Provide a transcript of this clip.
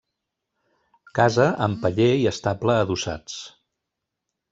Casa amb paller i estable adossats.